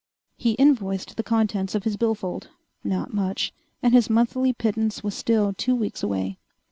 He invoiced the contents of his billfold. Not much. And his monthly pittance was still two weeks away....